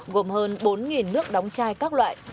gồm hơn bốn nước đóng chai các loại